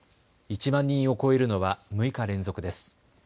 １万人を超えるのは６日連続です。